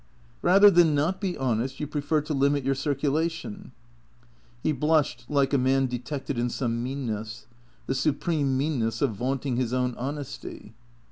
Eather than not be honest you prefer to limit your circulation ?" He blushed like a man detected in some meanness; the su preme meanness of vaunting his own honesty.